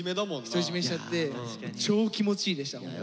独り占めしちゃって超気持ちいいでしたね。